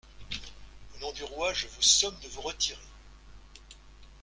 Au nom du Roi, je vous somme de vous retirer!